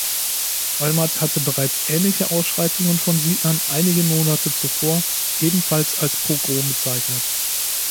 Olmert hatte bereits ähnliche Ausschreitungen von Siedlern einige Monate zuvor ebenfalls als „Pogrom“ bezeichnet.